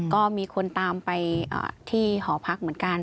ก็มีคนตามไปที่หอพักเหมือนกัน